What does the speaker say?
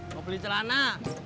mau beli celana